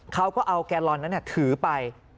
เขาก็เอาแกลลอนนั้นถือไป